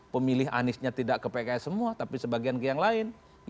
pemilih aniesnya tidak ke pks semua tapi sebagian ke yang lain